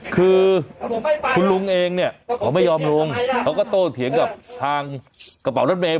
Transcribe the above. คือคุณลุงเองเนี่ยเขาไม่ยอมลงเขาก็โตเถียงกับทางกระเป๋ารถเมย